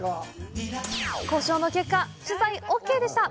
交渉の結果、取材ＯＫでした。